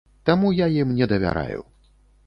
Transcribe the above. Таму я ім не давяраю.